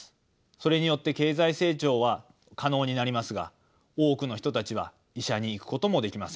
それによって経済成長は可能になりますが多くの人たちは医者に行くこともできません。